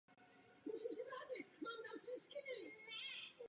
Jedná se o šestnáctý celovečerní snímek filmové série Marvel Cinematic Universe.